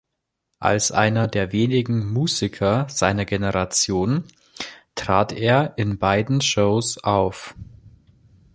Als einer der wenigen Musiker seiner Generation trat er in beiden Shows auf.